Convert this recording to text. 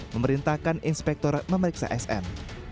memerintahkan inspektorat memeriksa sm